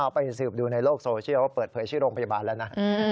ไปสืบดูในโลกโซเชียลว่าเปิดเผยชื่อโรงพยาบาลแล้วนะ